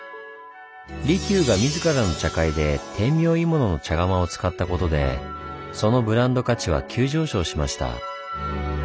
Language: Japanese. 利休が自らの茶会で天明鋳物の茶釜を使ったことでそのブランド価値は急上昇しました。